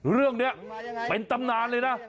เรื่องนี้เป็นตำนานเลยนะ